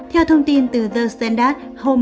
theo thông tin từ the standard